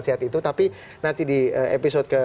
sehat itu tapi nanti di episode ke